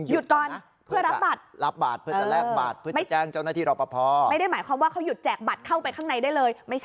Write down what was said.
หยุดรับบัตร